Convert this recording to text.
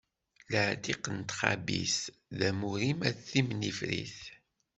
Laɛtiq n txabit d amur-im a timnifrit.